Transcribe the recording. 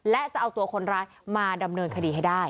และจะเอาตัวคนร้ายมาดำเนินคดีให้ได้